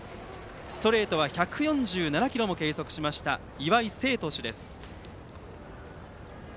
ストレートは１４７キロも計測しました岩井聖投手です。